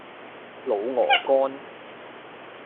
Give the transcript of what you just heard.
滷鵝肝